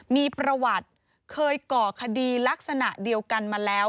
มีประวัติเคยก่อคดีลักษณะเดียวกันมาแล้ว